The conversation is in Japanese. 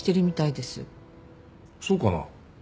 そうかな？